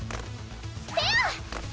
ペア！